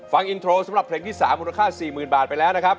ฟังอินโทรสำหรับเพลงที่๓มูลค่า๔๐๐๐บาทไปแล้วนะครับ